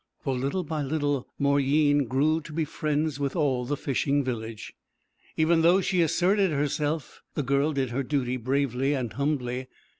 For, little by little Mauryeen grew to be friends with all the fishing village. Even though she asserted herself the girl did her duty bravely and humbly.